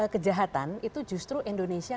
kejahatan itu justru indonesia